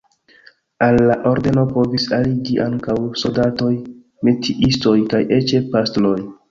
Al la ordeno povis aliĝi ankaŭ soldatoj, metiistoj kaj eĉ pastroj.